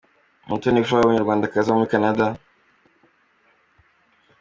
Umutoni Flora umunyarwandakazi uba muri Canada.